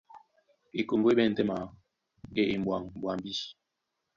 Ekombo é ɓɛ̂n tɛ́ maa, kɛ́ e e m̀ɓwaŋ ɓwambí.